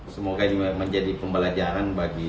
semoga ini menjadi pembelajaran bagi